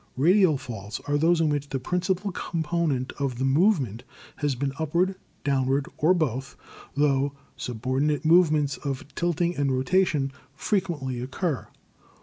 Radial Faults are those in which the principal compo nent of the movement has been upward, downward, or both, tho subordinate movements of tilting and rotation frequently occur.